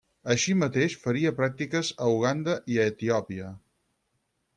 Així mateix faria pràctiques a Uganda i a Etiòpia.